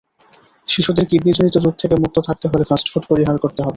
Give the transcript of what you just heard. শিশুদের কিডনিজনিত রোগ থেকে মুক্ত থাকতে হলে ফাস্ট ফুড পরিহার করতে হবে।